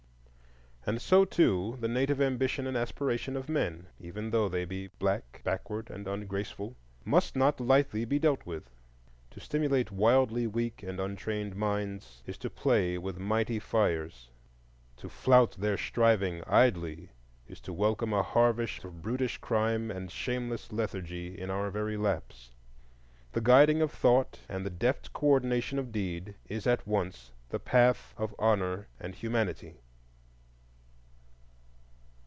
And so, too, the native ambition and aspiration of men, even though they be black, backward, and ungraceful, must not lightly be dealt with. To stimulate wildly weak and untrained minds is to play with mighty fires; to flout their striving idly is to welcome a harvest of brutish crime and shameless lethargy in our very laps. The guiding of thought and the deft coordination of deed is at once the path of honor and humanity.